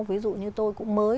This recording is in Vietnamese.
ví dụ như tôi cũng mới